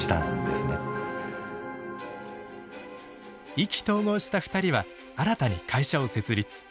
意気投合した２人は新たに会社を設立。